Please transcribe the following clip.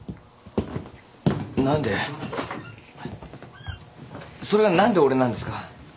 何でそれが何で俺なんですか？